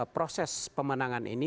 proses pemenangan ini